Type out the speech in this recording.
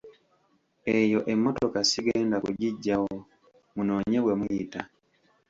Eyo emmotoka sigenda kugiggyawo munoonye we muyita.